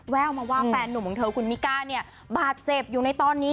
แววมาว่าแฟนหนุ่มของเธอคุณมิก้าเนี่ยบาดเจ็บอยู่ในตอนนี้